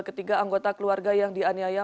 ketiga anggota keluarga yang di aniaya